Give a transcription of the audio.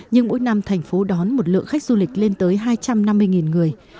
nhưng mỗi năm thành phố đón một lượng khách du lịch lên tới hai trăm năm mươi người